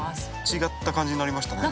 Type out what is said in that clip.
違った感じになりましたね。